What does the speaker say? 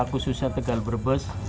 khususnya tegal berbes